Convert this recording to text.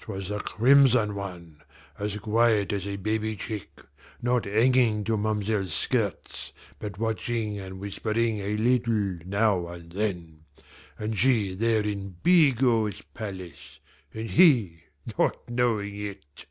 "'Twas the crimson one, as quiet as a baby chick, not hanging to ma'm'selle's skirts, but watching and whispering a little now and then and she there in Bigot's palace, and he not knowing it!